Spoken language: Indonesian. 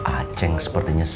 aceng sepertinya serius